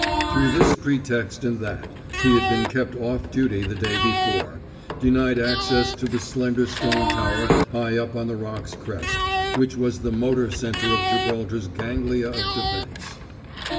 Through this pretext and that, he had been kept off duty the day before, denied access to the slender stone tower high up on the Rock's crest which was the motor center of Gibraltar's ganglia of defense.